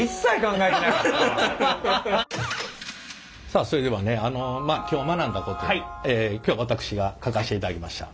さあそれではねあのまあ今日学んだことを今日私が書かせていただきました。